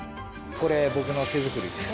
これ僕の手作りです。